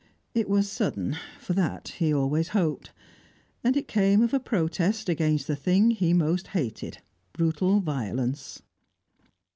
It was sudden (for that he always hoped), and it came of a protest against the thing he most hated, brutal violence."